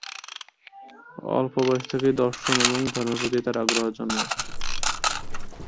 অল্প বয়স থেকেই দর্শন ও ধর্মের প্রতি তার আগ্রহ জন্মায়।